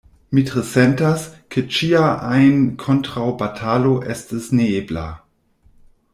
Mi tre sentas, ke ĉia ajn kontraŭbatalo estas neebla.